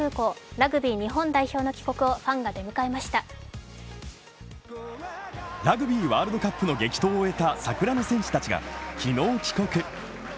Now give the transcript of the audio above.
ラグビー日本代表の帰国をラグビーワールドカップの激闘を終えた桜の戦士たちが昨日、帰国。